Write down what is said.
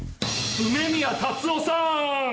梅宮辰夫さーん！